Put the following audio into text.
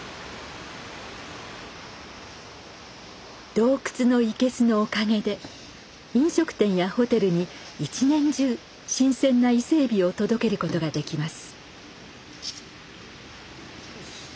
洞窟の生けすのおかげで飲食店やホテルに一年中新鮮な伊勢エビを届けることができます。